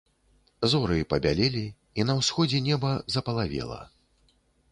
Зоры пабялелі, і на ўсходзе неба запалавела.